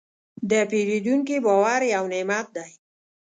د پیرودونکي باور یو نعمت دی.